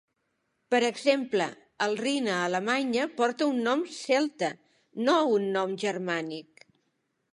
Per exemple, el Rin a Alemanya porta un nom celta, no un nom germànic.